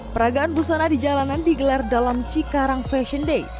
peragaan busana di jalanan digelar dalam cikarang fashion day